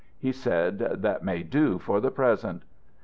"He said, 'That may do for the present.'